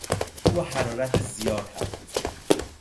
او با حرارت زیاد حرف میزد.